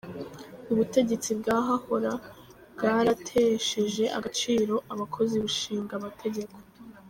"Ubutegetsi bwahahora bwaratesheje agaciro abakozi bushinga amategeko.